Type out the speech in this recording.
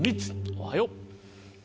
おはよう。